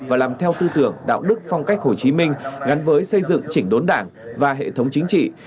và làm theo tư tưởng đạo đức phong cách hồ chí minh gắn với xây dựng chỉnh đốn đảng và hệ thống chính trị